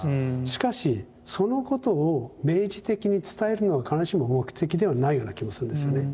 しかしそのことを明示的に伝えるのは必ずしも目的ではないような気もするんですよね。